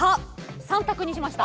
３択にしました。